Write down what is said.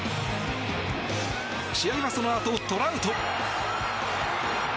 試合はそのあと、トラウト。